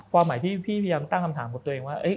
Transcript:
ฟอร์มใหม่ที่พี่พยังตั้งคำถามของตัวเองว่า